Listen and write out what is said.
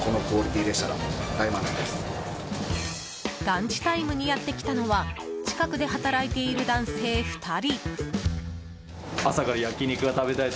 ランチタイムにやってきたのは近くで働いている男性２人。